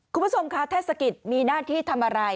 คุณผู้ชมคะเทศกิจมีหน้าที่ทำอะไร